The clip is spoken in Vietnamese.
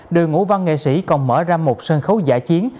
đường ngũ văn nghệ sĩ còn mở ra một sân khấu giải chiến